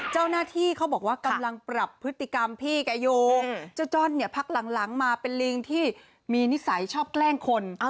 เจ้าหน้าที่เขาบอกว่ากำลังปรับพฤติกรรมพี่แกอยู่เจ้าจ้อนเนี่ยพักหลังมาเป็นลิงที่มีนิสัยชอบแกล้งคน